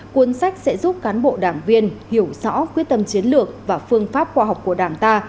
cuốn sách sẽ giúp cán bộ đảng viên hiểu rõ quyết tâm chiến lược và phương pháp khoa học của đảng ta